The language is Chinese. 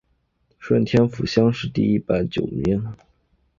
顺天府乡试第一百十九名。